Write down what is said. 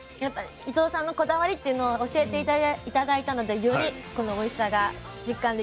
伊藤さんのこだわりっていうのを教えて頂いたのでよりこのおいしさが実感できました。